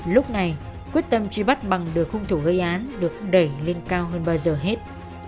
lúc này quyết tâm truy bắt bằng được khung thủ gây án được đẩy lên cao hơn bao giờ hết